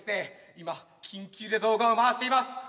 今緊急で動画を回しています！